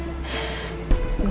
sampai buat elsa